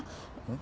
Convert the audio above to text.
ん？